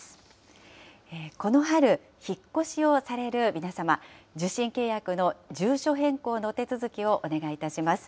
この春、引っ越しをされる皆様、受信契約の住所変更のお手続きをお願いいたします。